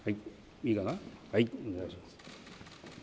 いいかな、お願いします。